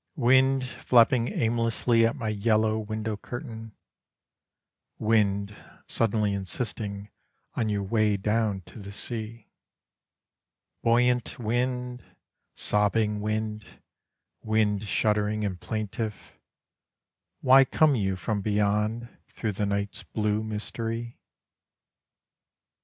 Wind flapping aimlessly at my yellow window curtain, Wind suddenly insisting on your way down to the sea, Buoyant wind, sobbing wind, wind shuddering and plaintive, Why come you from beyond through the night's blue mystery?